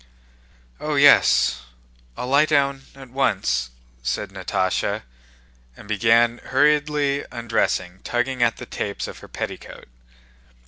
"Oh, yes... I'll lie down at once," said Natásha, and began hurriedly undressing, tugging at the tapes of her petticoat.